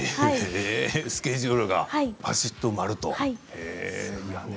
スケジュールがばしっと埋まると。